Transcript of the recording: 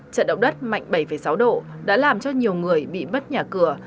trận động đất mạnh bảy sáu độ đã làm cho nhiều người bị mất nhà cửa